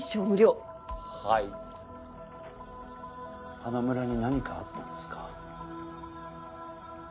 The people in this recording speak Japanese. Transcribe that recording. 花村に何かあったんですか？